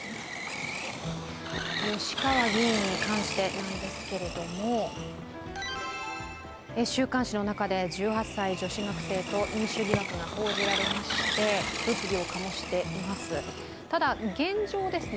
吉川議員に関してなんですけれども、週刊誌の中で１８歳女子学生と飲酒疑惑が報じられまして物議を醸しています。